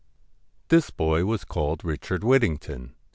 This boy was called Richard Whittington.